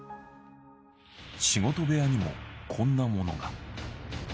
仕事部屋にもこんなものが。